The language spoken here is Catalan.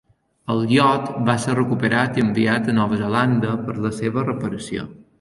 El iot va ser recuperat i enviat a Nova Zelanda per a la seva reparació.